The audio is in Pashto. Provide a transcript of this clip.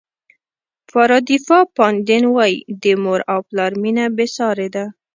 پاردیفا پاندین وایي د مور او پلار مینه بې سارې ده.